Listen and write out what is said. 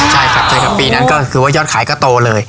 ใช่ครับใช่ครับปีนั้นก็คือว่ายอดขายก็โตเลย